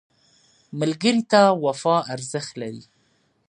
ملګری ته وفا ارزښت لري